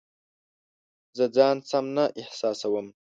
زه ځان سم نه احساسوم